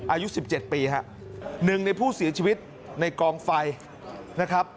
อายุ๑๗ปีฮะหนึ่งในผู้เสียชีวิตในกองไฟนะครับ